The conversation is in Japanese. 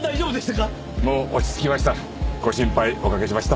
もう落ち着きました。